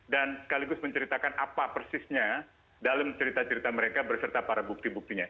dan sekaligus menceritakan apa persisnya dalam cerita cerita mereka berserta para bukti buktinya